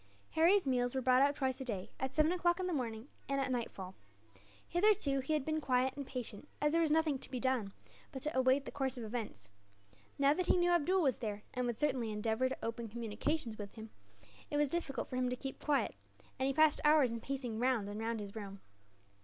Harry's meals were brought up twice a day, at seven o'clock in the morning and at nightfall. Hitherto he had been quiet and patient, as there was nothing to be done but to await the course of events. Now that he knew Abdool was there, and would certainly endeavour to open communications with him, it was difficult for him to keep quiet; and he passed hours in pacing round and round his room.